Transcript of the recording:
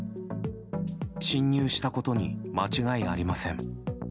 侵入したことに間違いありません。